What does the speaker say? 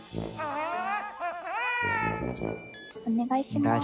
お願いします。